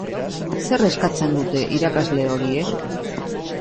Zer eskatzen dute irakasle horiek?